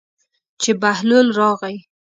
چې بهلول راغی.